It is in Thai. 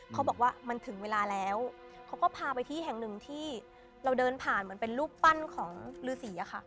เขาบอกว่ามันถึงเวลาแล้วเขาก็พาไปที่แห่งหนึ่งที่เราเดินผ่านเหมือนเป็นรูปปั้นของฤษีอะค่ะ